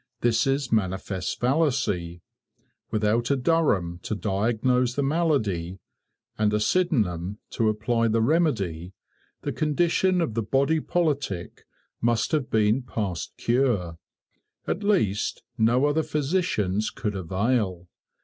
This is manifest fallacy. Without a Durham to diagnose the malady and a Sydenham to apply the remedy, the condition of the body politic must have been past cure. At least, no other physicians could avail.